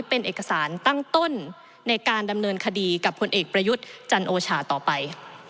เป็นเอกสารตั้งต้นในการดำเนินคดีกับผลเอกประยุทธ์จันโอชาต่อไป